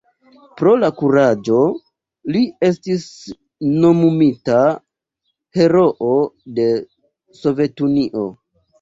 Pro la kuraĝo li estis nomumita Heroo de Sovetunio.